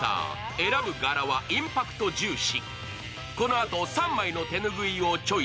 選ぶ柄はインパクト重視。